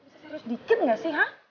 serius dikit gak sih ha